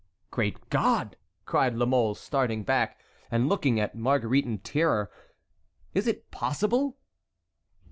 "Great God!" cried La Mole, starting back and looking at Marguerite in terror, "is it possible?"